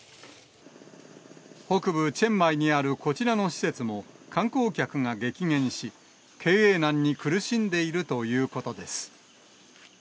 北部チェンマイにあるこちらの施設も、観光客が激減し、経営難に苦しんでいるということです。